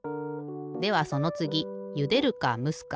ではそのつぎゆでるかむすか。